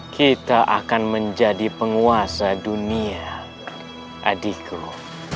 kita akan menjadi penguasa dunia adikku